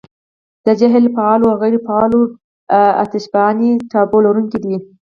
دا جهیل فعالو او غیرو فعالو اتشفشاني ټاپو لرونکي دي.